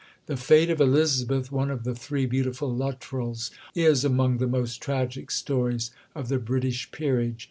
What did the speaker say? The fate of Elizabeth one of the "three beautiful Luttrells" is among the most tragic stories of the British Peerage.